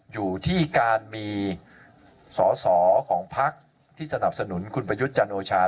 อยู่ที่การมีสอสอของพักที่สนับสนุนคุณประยุทธ์จันโอชา